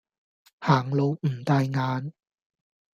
行路唔帶眼